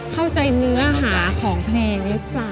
เข้าใจเนื้อหาของเพลงหรือเปล่า